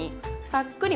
さっくり？